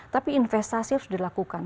tapi investasi harus dilakukan